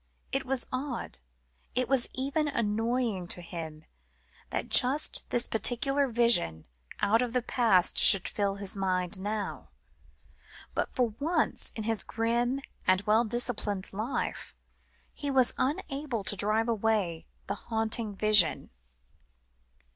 It was odd; it was even annoying to him that just this particular vision out of the past should fill his mind now, but for once in his grim and well disciplined life, he was unable to drive away the haunting vision.